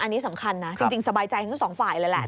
อันนี้สำคัญนะจริงสบายใจทั้งสองฝ่ายเลยแหละ